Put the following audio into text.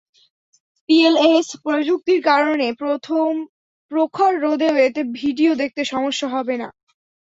PLS প্রযুক্তির কারণে প্রখর রোদেও এতে ভিডিও দেখতে সমস্যা হবে না।